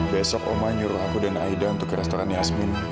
besok oma nyuruh aku dan aida untuk ke restoran yasmin